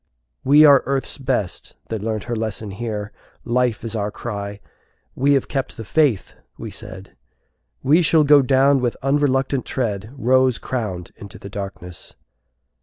"We are Earth's best, that learnt her lesson here. Life is our cry. We have kept the faith!" we said; "We shall go down with unreluctant tread Rose crowned into the darkness!"